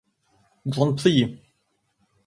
Grand Prix.